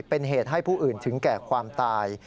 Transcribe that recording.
เป็นเหตุให้ผู้อื่นถึงแก่ความตาย